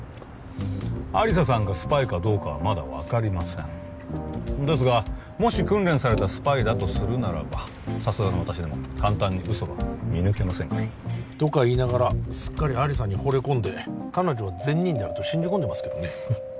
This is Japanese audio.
亜理紗さんがスパイかどうかはまだ分かりませんですがもし訓練されたスパイだとするならばさすがの私でも簡単に嘘は見抜けませんからとか言いながらすっかり亜理紗にほれこんで彼女は善人であると信じ込んでますけどね